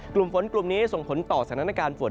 กลุ่มฝนกลุ่มนี้ส่งผลต่อสถานการณ์ฝน